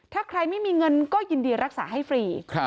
ถ้าใครไม่มีเงินก็ยินดีรักษาให้ฟรี